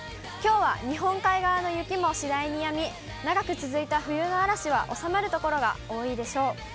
きょうは日本海側の雪も次第にやみ、長く続いた冬の嵐は収まる所が多いでしょう。